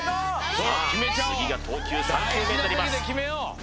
さあ次が投球３球目になります